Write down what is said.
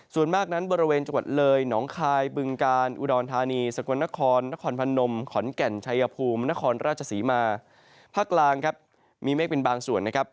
ส่วนมากนั้นบริเวณจังหวัดเลยหนองคายบึงกาลอุดรธานีสกลนครนครพนมขอนแก่นชัยภูมินครราชศรีมาภาคกลางครับมีเมฆเป็นบางส่วนนะครับ